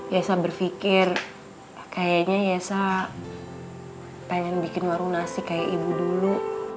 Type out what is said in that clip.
ya saya berpikir kayaknya saya ingin membuat warung nasi seperti ibu dulu